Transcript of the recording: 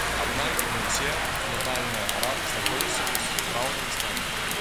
Аднак не ўсе лятальныя апараты знаходзяцца ў спраўным стане.